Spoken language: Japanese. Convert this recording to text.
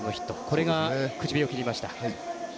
これが口火を切りました。